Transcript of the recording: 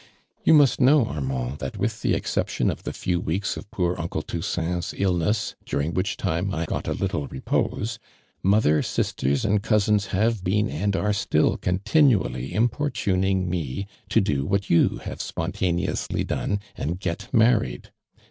"You must kr\ow, Armand, that with the exception of the few weeks of poor uncle Toussaint's illness, dur ing which time I got a little repose, mother, sisters and cousins have been and are still continually importuning me to do what you have spontaneously done and get married.